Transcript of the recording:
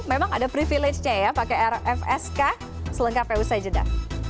memang ada privilege nya ya pakai rfsk selengkap pu sejeda